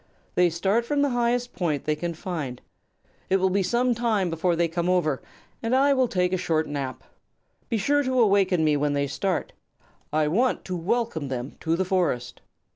They start from the highest point they can find. It will be some time before they come over, and I will take a short nap. Be sure to awaken me when they start. I want to welcome them to the Forest."